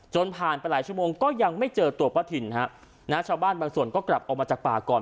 ผ่านไปหลายชั่วโมงก็ยังไม่เจอตัวป้าทินฮะนะชาวบ้านบางส่วนก็กลับออกมาจากป่าก่อน